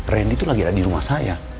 randy itu lagi ada di rumah saya